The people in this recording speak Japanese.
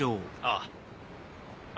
ああ